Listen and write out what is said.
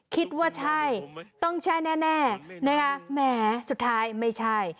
คิดว่าใช่ต้องใช่แน่นะคะแหมสุดท้ายไม่ใช่